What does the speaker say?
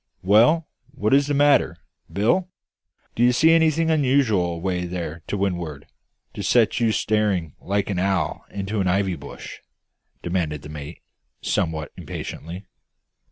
"Well, what is the matter, Bill? Do you see anything unusual away there to wind'ard, to set you staring like an owl in an ivy bush?" demanded the mate, somewhat impatiently.